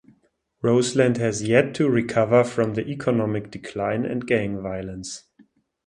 Roseland has yet to recover from the economic decline and gang violence.